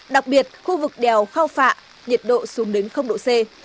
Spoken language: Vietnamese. đặc biệt khu vực đèo khao phạ nhiệt độ xuống đến độ c